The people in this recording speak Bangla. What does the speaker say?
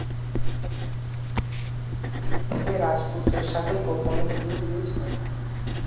কাজেই কাশী নরেশ তার কন্যাকে রাজপুত্রের সাথে গোপনে বিয়ে দিয়েছিলেন।